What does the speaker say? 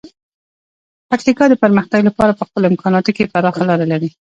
پکتیکا د پرمختګ لپاره په خپلو امکاناتو کې پراخه لاره لري.